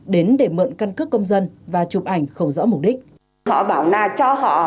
đến để mượn căn cước công dân và chụp ảnh không rõ mục đích